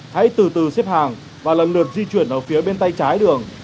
hãy từ từ xếp hàng và lần lượt di chuyển ở phía bên tay trái đường